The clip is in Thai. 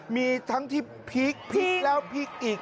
มีทั้งที่พีคพีคแล้วพีคอีก